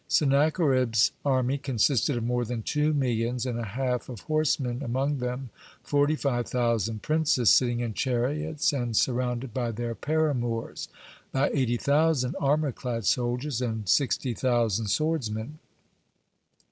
Sennacherib's army consisted of more than two millions and a half of horsemen, among them forty five thousand princes sitting in chariots and surrounded by their paramours, by eighty thousand armor clad soldiers, and sixty thousand swordsmen.